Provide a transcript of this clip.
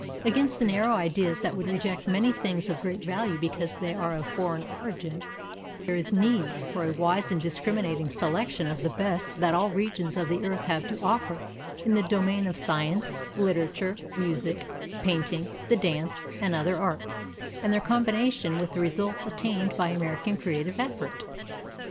Against the narrow ideas that would reject many things of great value because they are of foreign origin, there is need for a wise and discriminating selection of the best that all regions of the earth have to offer in the domain of science, literature, music, painting, the dance, and other arts, and their combination with the results attained by American creative effort.